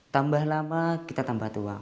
tambah lama kita tambah tua